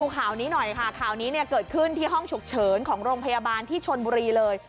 ข่าวนี้หน่อยค่ะข่าวนี้เนี่ยเกิดขึ้นที่ห้องฉุกเฉินของโรงพยาบาลที่ชนบุรีเลย